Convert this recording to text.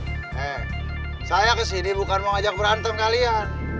eh saya kesini bukan mau ajak berantem kalian